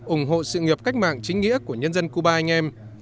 ủng hộ sự nghiệp cách mạng chính nghĩa của nhân dân cuba anh em